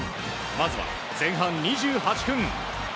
まずは前半２８分。